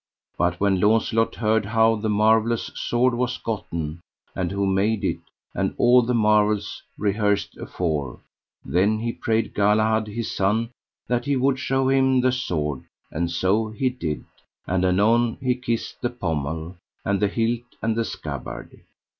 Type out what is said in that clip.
But when Launcelot heard how the marvellous sword was gotten, and who made it, and all the marvels rehearsed afore, then he prayed Galahad, his son, that he would show him the sword, and so he did; and anon he kissed the pommel, and the hilt, and the scabbard.